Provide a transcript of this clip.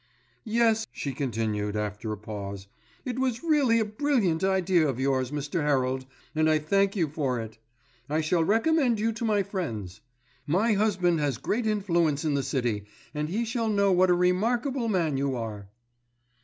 "Yes," she continued, after a pause, "it was really a brilliant idea of yours, Mr. Herald, and I thank you for it. I shall recommend you to my friends. My husband has great influence in the city, and he shall know what a remarkable man you are."